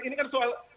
ini kan soal